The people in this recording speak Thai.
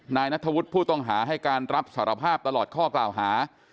นายนัทธวุฒิผู้ต้องหาให้การรับสารภาพตลอดข้อกล่าวหา